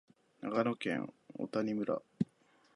長野県小谷村